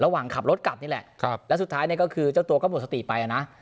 ระหว่างขับรถกลับนี่แหละแล้วสุดท้ายเนี่ยก็คือเจ้าตัวก็หมดสติไปนะ